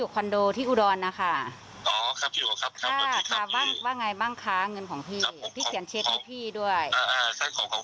ก็เลยต้องต้องต้องก่อนแต่ว่าตอนนี้ผมผมขอโอกาสอีกสักครั้งหนึ่ง